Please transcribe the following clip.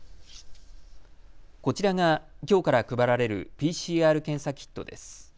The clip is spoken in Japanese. こちらが、きょうから配られるＰＣＲ検査キットです。